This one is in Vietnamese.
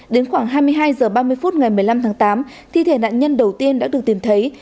đến khoảng hai mươi hai h ba mươi phút ngày một mươi năm tháng tám thi thể nạn nhân đầu tiên đã được tìm thấy